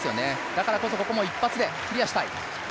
だからこそここも一発でクリアしたい。